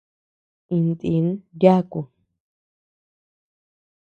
Intin yakun.